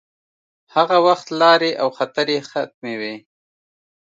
هغه وخت لارې او خطرې حتمې وې.